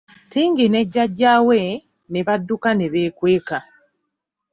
Tingi ne jjajja we ne badduka ne beekweka.